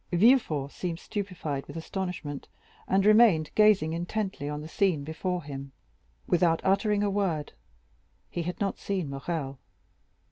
Villefort seemed stupefied with astonishment, and remained gazing intently on the scene before him without uttering a word. He had not seen Morrel.